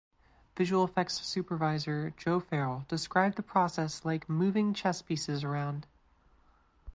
Visual effects supervisor Joe Farrell described the process like "moving chess pieces around".